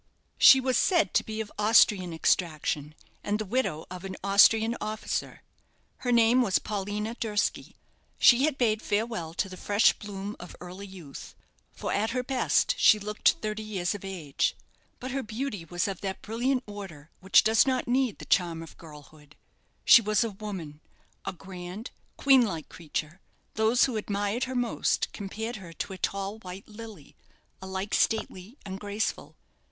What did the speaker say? She was said to be of Austrian extraction, and the widow of an Austrian officer. Her name was Paulina Durski. She had bade farewell to the fresh bloom of early youth; for at her best she looked thirty years of age. But her beauty was of that brilliant order which does not need the charm of girlhood. She was a woman a grand, queen like creature. Those who admired her most compared her to a tall white lily, alike stately and graceful.